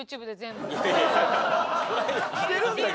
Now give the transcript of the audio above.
してるんだけど。